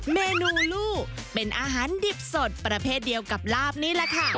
เมนูลู่เป็นอาหารดิบสดประเภทเดียวกับลาบนี่แหละค่ะ